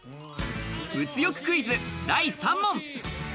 物欲クイズ、第３問。